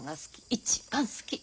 一番好き。